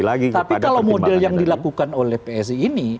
tapi kalau model yang dilakukan oleh psi ini